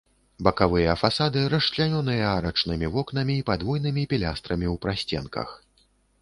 Бакавыя фасады расчлянёныя арачнымі вокнамі і падвойнымі пілястрамі ў прасценках.